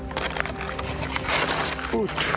おっと！